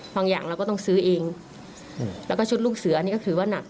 อย่างเราก็ต้องซื้อเองแล้วก็ชุดลูกเสือนี่ก็คือว่านัก